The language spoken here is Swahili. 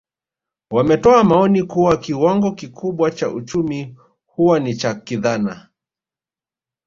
Wametoa maoni kuwa kiwango kikubwa cha uchumi huwa ni cha kidhana